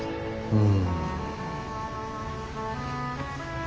うん。